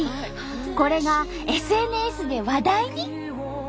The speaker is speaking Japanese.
これがＳＮＳで話題に。